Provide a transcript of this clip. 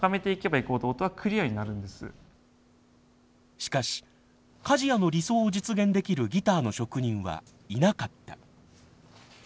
しかし梶屋の理想を実現できるギターの職人はいなかった。